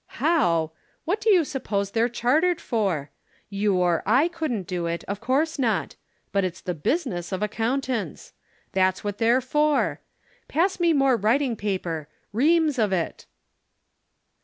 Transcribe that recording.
"'"How? what do you suppose they're chartered for? You or I couldn't do it; of course not. But it's the business of accountants! That's what they're for. Pass me more writing paper reams of it!"